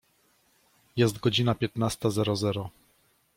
Jest godzina piętnasta zero zero.